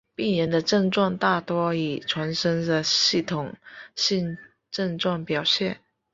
病人的症状大多以全身的系统性症状表现。